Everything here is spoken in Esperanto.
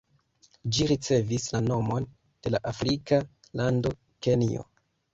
Ĝi ricevis la nomon de la afrika lando Kenjo.